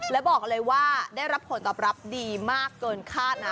และบอกเลยว่าได้รับผลตอบรับดีมากเกินคาดนะ